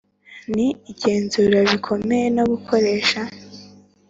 n igenzura bikomeye no gukoresha